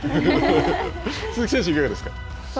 鈴木選手、いかがですか。